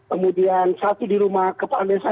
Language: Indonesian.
kemudian satu di rumah kepala desa